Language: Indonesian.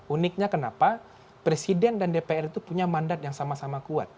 uniknya kenapa presiden dan dpr itu punya mandat yang sama sama kuat